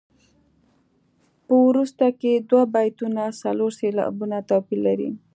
په وروسته کې دوه بیتونه څلور سېلابه توپیر لري.